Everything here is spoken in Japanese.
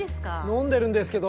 飲んでるんですけど。